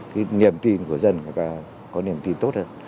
cái niềm tin của dân người ta có niềm tin tốt hơn